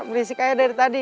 berisik aja dari tadi